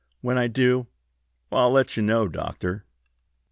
When I do I'll let you know, Doctor."